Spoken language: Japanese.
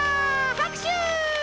はくしゅ。